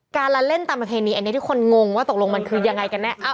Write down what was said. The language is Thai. การละเล่นตามประเพณีอันนี้ที่คนงงว่าตกลงมันคือยังไงกันแน่